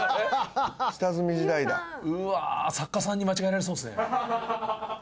「うわあ作家さんに間違えられそうですね」